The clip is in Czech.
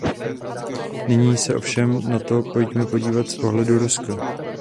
Nyní se ovšem na to pojďme podívat z pohledu Ruska.